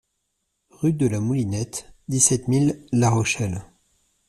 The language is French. Rue DE LA MOULINETTE, dix-sept mille La Rochelle